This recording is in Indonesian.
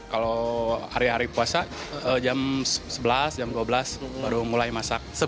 kalau hari hari puasa jam sebelas jam dua belas baru mulai masak